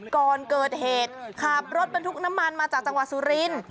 ก่อนเกิดเหตุขับรถบรรทุกน้ำมันมาจากจังหวัดสุรินทร์